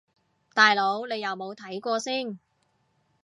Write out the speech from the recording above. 大佬你有冇睇過先